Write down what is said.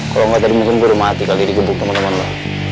kalau nggak tadi mungkin gue udah mati kali dikebuk teman teman lu